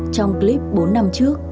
trong clip bốn năm trước